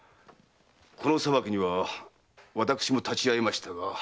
この裁きには私も立ち会いましたが。